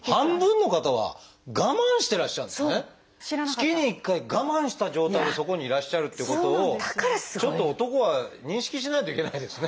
月に１回我慢した状態でそこにいらっしゃるってことをちょっと男は認識しないといけないですね。